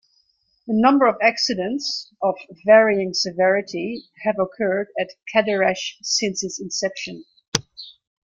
A number of accidents, of varying severity, have occurred at Cadarache since its inception.